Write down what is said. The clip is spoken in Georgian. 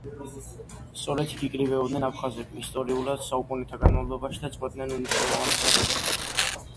სწორედ აქ იკრიბებოდნენ აფხაზები ისტორიულად, საუკუნეთა განმავლობაში და წყვეტდნენ უმნიშვნელოვანეს საკითხებს.